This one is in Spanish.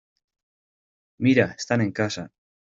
¡ Mira! Están en casa.